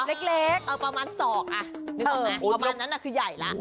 ประมาณ๒นึกออกไหมประมาณนั้นคือใหญ่แล้ว